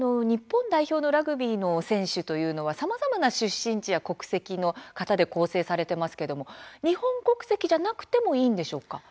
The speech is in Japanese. ラグビーの日本代表の選手は、さまざまな出身地や国籍の方で構成されていますが日本国籍じゃなくてもいいんでしょうか。